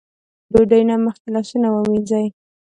ډوډۍ نه مخکې لاسونه ووينځئ ـ